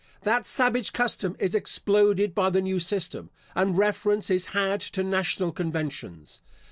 That savage custom is exploded by the new system, and reference is had to national conventions.